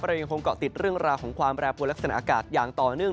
ยังคงเกาะติดเรื่องราวของความแปรปวดลักษณะอากาศอย่างต่อเนื่อง